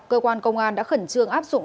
cơ quan công an đã khẩn trương áp dụng